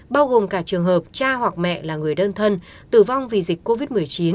bao gồm cả trường hợp cha hoặc mẹ là người đơn thân tử vong vì dịch covid một mươi chín